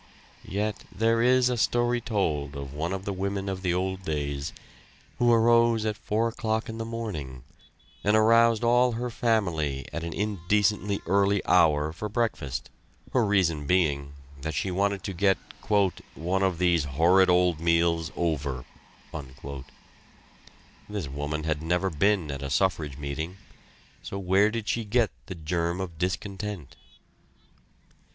Yet there is a story told of one of the women of the old days, who arose at four o'clock in the morning, and aroused all her family at an indecently early hour for breakfast, her reason being that she wanted to get "one of these horrid old meals over." This woman had never been at a suffrage meeting so where did she get the germ of discontent?